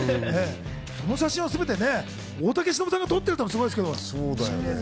その写真を全て大竹しのぶさんが撮ってるのもすごいですけど。